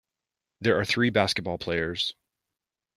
There are three basketball players